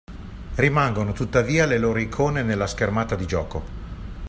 Rimangono tuttavia le loro icone nella schermata di gioco